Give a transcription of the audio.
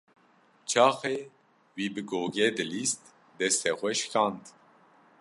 Çaxê wî bi gogê dilîst, destê xwe şikand.